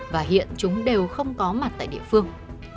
và hiện chúng đều không có mặt tại địa phương